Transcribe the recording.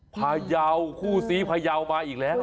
พระเยาคู่ซีพระเยามาอีกแล้ว